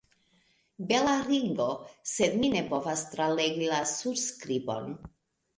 Bela ringo, sed mi ne povas tralegi la surskribon.